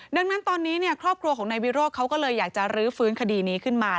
ดังนั้นตอนนี้ครอบครัวของนายวิโรธเขาก็เลยอยากจะรื้อฟื้นคดีนี้ขึ้นมา